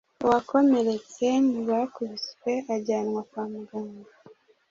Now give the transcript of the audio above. uwakomeretse mu bakubiswe ajyanwa kwa muganga